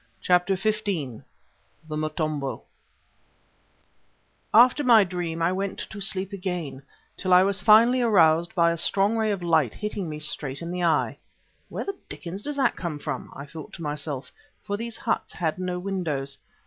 CHAPTER XV THE MOTOMBO After my dream I went to sleep again, till I was finally aroused by a strong ray of light hitting me straight in the eye. Where the dickens does that come from? thought I to myself, for these huts had no windows.